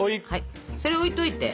それ置いといて。